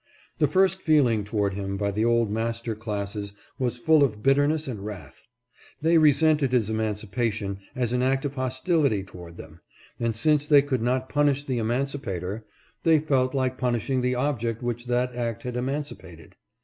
The first feeling toward him by the old master classes was full of bitterness and wrath. They resented his emancipation as an act of hostility toward them, and, since they could not punish the emancipator, they felt like punishing the object which that act had emancipated.